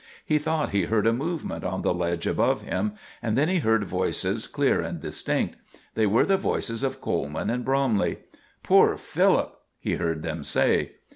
He thought he heard a movement on the ledge above him, and then he heard voices clear and distinct. They were the voices of Coleman and Bromley. "Poor Philip!" he heard them say.